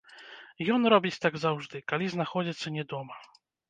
Ён робіць так заўжды, калі знаходзіцца не дома.